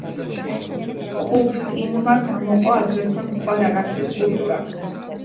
კუფტინმა გამოყო აგრეთვე მტკვარ-არაქსის კულტურა.